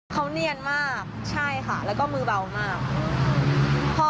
เขาเนียนมากใช่ค่ะแล้วก็มือเบามาก